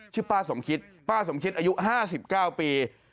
ชื่อป้าสมคิดป้าสมคิดอายุ๕๙ปี